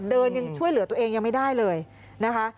ยังช่วยเหลือตัวเองยังไม่ได้เลยนะคะ